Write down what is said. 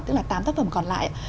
tức là tám tác phẩm còn lại